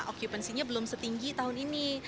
okupansinya belum setinggi tahun ini